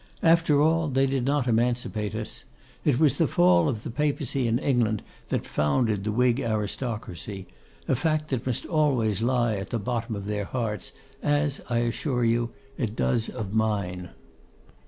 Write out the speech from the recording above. After all, they did not emancipate us. It was the fall of the Papacy in England that founded the Whig aristocracy; a fact that must always lie at the bottom of their hearts, as, I assure you, it does of mine.